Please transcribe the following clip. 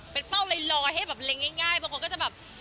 เป็นเป้าลอยให้แบบเล็งง่ายบางคนก็จะแบบ